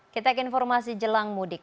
kita ke informasi jelang mudik